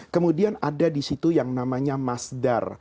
kemudian ada disitu yang namanya masdar